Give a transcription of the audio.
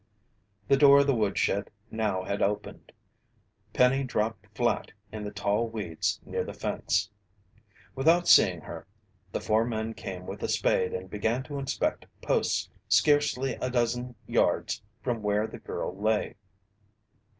The door of the woodshed now had opened. Penny dropped flat in the tall weeds near the fence. Without seeing her, the four men came with a spade and began to inspect posts scarcely a dozen yards from where the girl lay.